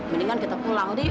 mendingan kita pulang deh yuk